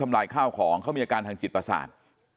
ลายข้าวของเขามีอาการทางจิตประสาท